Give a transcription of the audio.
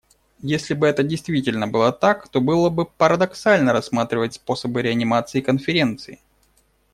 Если бы это действительно было так, то было бы парадоксально рассматривать способы реанимации Конференции.